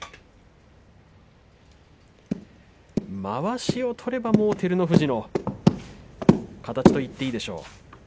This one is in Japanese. まわしを取れば照ノ富士の形といってもいいでしょう。